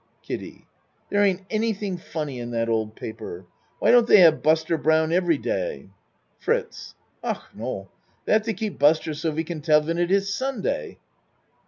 KIDDIE There ain't anything funny in that old paper. Why don't they have Buster Brown every day? FRITZ Ach no. They have to keep Buster so we can tell ven it iss Sunday.